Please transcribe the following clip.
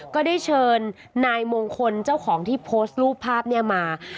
ก็ได้เชิญนายมงคลเจ้าของที่โพสต์รูปภาพนี้มา